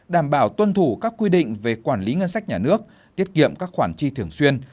đảm bảo tuân thủ các quy định về quản lý ngân sách nhà nước tiết kiệm các khoản chi thường xuyên